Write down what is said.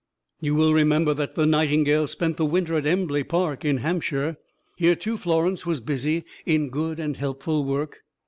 You will remember that the Nightingales spent the winter at Embley Park, in Hampshire. Here, too, Florence was busy in good and helpful work.